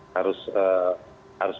harus bicara sama korban